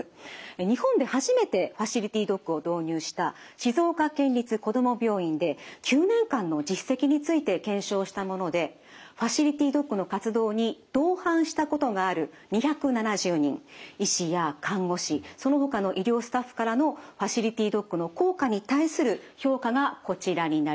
日本で初めてファシリティドッグを導入した静岡県立こども病院で９年間の実績について検証したものでファシリティドッグの活動に同伴したことがある２７０人医師や看護師そのほかの医療スタッフからのファシリティドッグの効果に対する評価がこちらになります。